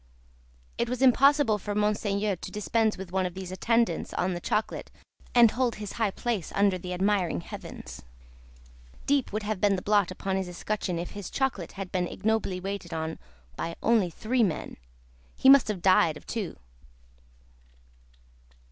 It was impossible for Monseigneur to dispense with one of these attendants on the chocolate and hold his high place under the admiring Heavens. Deep would have been the blot upon his escutcheon if his chocolate had been ignobly waited on by only three men; he must have died of two.